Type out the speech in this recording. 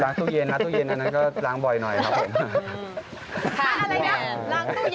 ตู้เย็นล้างตู้เย็นอันนั้นก็ล้างบ่อยหน่อยครับผม